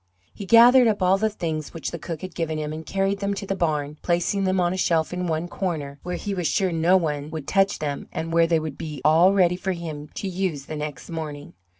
He gathered up all the things which the cook had given him and carried them to the barn, placing them on a shelf in one corner, where he was sure no one would touch them and where they would be all ready for him to use the next morning.